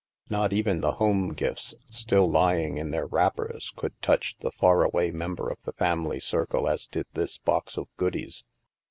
Not even the home gifts, still lying in their wrap pers, could touch the far away member of the family circle as did this box of goodies.